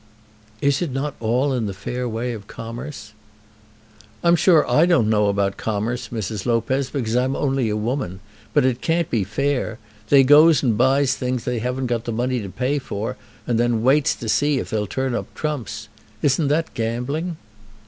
"Is it not all in the fair way of commerce?" "I'm sure I don't know about commerce, Mrs. Lopez, because I'm only a woman; but it can't be fair. They goes and buys things that they haven't got the money to pay for, and then waits to see if they'll turn up trumps. Isn't that gambling?"